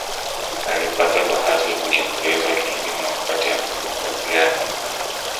Alipata bahati ya kujiendeleza kielimu wakati anafanya kazi yake